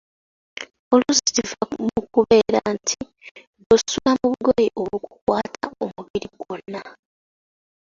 Oluusi kiva mu kubeera nti ggwe osula mu bugoye obukukwata omubiri gwonna.